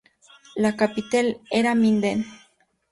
La capital era Minden.